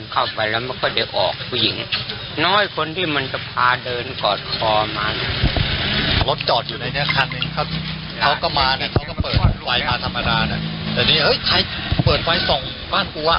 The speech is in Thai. ครับ